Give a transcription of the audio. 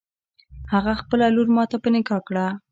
هغه خپله لور ماته په نکاح کړه.